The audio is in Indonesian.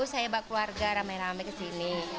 saya bawa keluarga ramai ramai kesini